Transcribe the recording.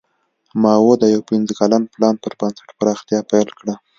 ماوو د یو پنځه کلن پلان پر بنسټ پراختیا پیل کړه.